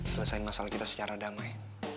selesai masalah kita secara damai